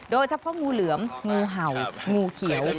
โดยเฉพาะงูเหลือมงูเห่างูเขียว